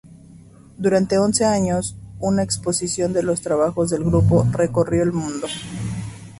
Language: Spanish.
Durante once años, una exposición de los trabajos del grupo recorrió el mundo.